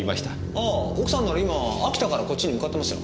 ああ奥さんなら今秋田からこっちに向かってますよ。